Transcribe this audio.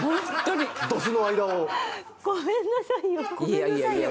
いやいやいや。